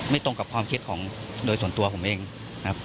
ตรงกับความคิดของโดยส่วนตัวผมเองนะครับ